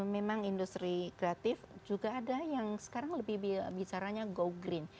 memang industri kreatif juga ada yang sekarang lebih bicaranya go green